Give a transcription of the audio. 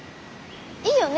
いいよね。